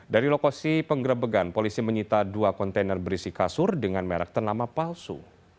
dari lokasi penggerebegan polisi menyita dua kontainer berisi kasur dengan merek ternama palsu